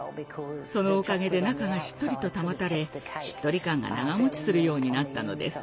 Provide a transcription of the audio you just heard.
そのおかげで中がしっとりと保たれしっとり感が長持ちするようになったのです。